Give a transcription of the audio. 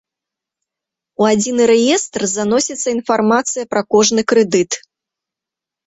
У адзіны рэестр заносіцца інфармацыя пра кожны крэдыт.